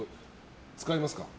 使いますか？